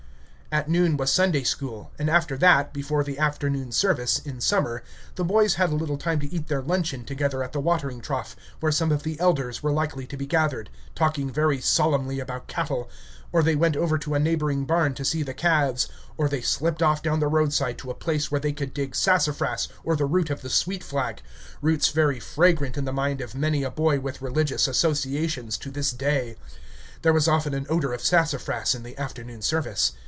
At noon was Sunday school, and after that, before the afternoon service, in summer, the boys had a little time to eat their luncheon together at the watering trough, where some of the elders were likely to be gathered, talking very solemnly about cattle; or they went over to a neighboring barn to see the calves; or they slipped off down the roadside to a place where they could dig sassafras or the root of the sweet flag, roots very fragrant in the mind of many a boy with religious associations to this day. There was often an odor of sassafras in the afternoon service.